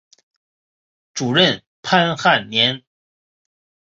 主任潘汉年。